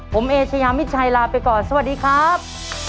ผมเอเชยามิดชัยลาไปก่อนสวัสดีครับ